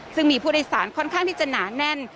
ซึ่งมีผู้โดยสารค่อนข้างที่จะหนาแน่น